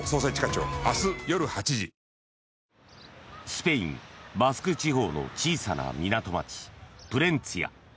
スペイン・バスク地方の小さな港町プレンツィア。